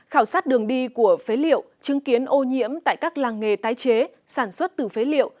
khảo sát đường đi của phế liệu chứng kiến ô nhiễm tại các làng nghề tái chế sản xuất từ phế liệu